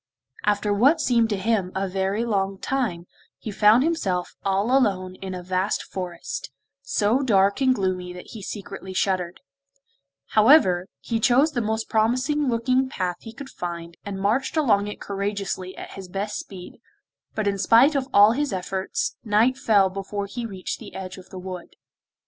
After what seemed to him a very long time, he found himself all alone in a vast forest, so dark and gloomy that he secretly shuddered; however, he chose the most promising looking path he could find, and marched along it courageously at his best speed, but in spite of all his efforts, night fell before he reached the edge of the wood.